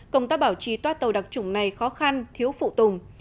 công tác bảo trì toa tàu đặc trụng này khó khăn thiếu phụ tùng